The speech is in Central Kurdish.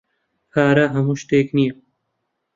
پارە ھەموو شتێک نییە.